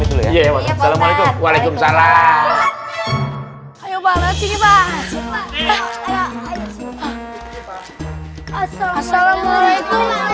walaikum salam warahmatullahi wabarakatuh